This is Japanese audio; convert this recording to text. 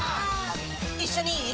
一緒にいい？